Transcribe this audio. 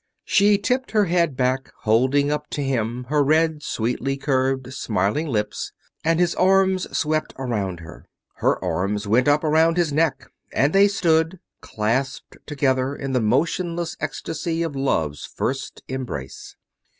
She tipped her head back, holding up to him her red, sweetly curved, smiling lips, and his arms swept around her. Her arms went up around his neck and they stood, clasped together in the motionless ecstasy of love's first embrace.